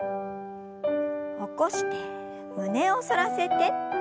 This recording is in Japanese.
起こして胸を反らせて。